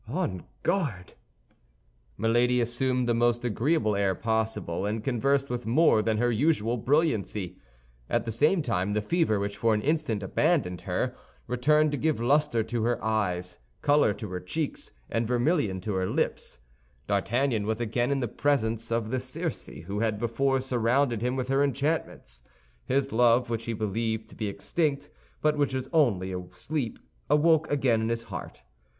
On guard!" Milady assumed the most agreeable air possible, and conversed with more than her usual brilliancy. At the same time the fever, which for an instant abandoned her, returned to give luster to her eyes, color to her cheeks, and vermillion to her lips. D'Artagnan was again in the presence of the Circe who had before surrounded him with her enchantments. His love, which he believed to be extinct but which was only asleep, awoke again in his heart.